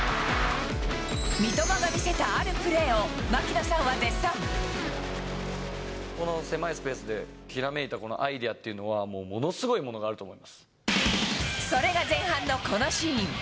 三笘が見せたあるプレーを、この狭いスペースで、ひらめいたこのアイデアっていうのは、もう、ものすごいものがあそれが前半のこのシーン。